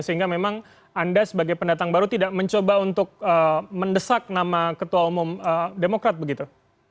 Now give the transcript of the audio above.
sehingga memang anda sebagai pendatang baru tidak mencoba untuk mendesak nama ketua umum demokrat begitu